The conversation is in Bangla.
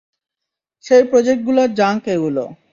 সেই প্রজেক্টগুলোর জাঙ্ক এগুলো।